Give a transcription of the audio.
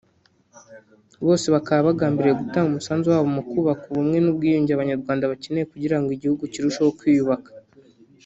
bose bakaba bagambiriye gutanga umusanzu wabo mu kubaka ubumwe n’ubwiyunge Abanyarwanda bakeneye kugira ngo igihugu kirusheho kwiyubaka